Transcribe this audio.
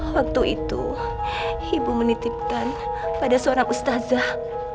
waktu itu ibu menitipkan pada suara mustazah